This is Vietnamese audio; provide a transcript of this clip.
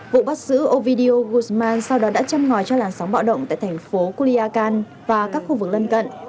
vụ bắt giữ ovidio guzman sau đó đã châm ngòi cho làn sóng bạo động tại thành phố culiakan và các khu vực lân cận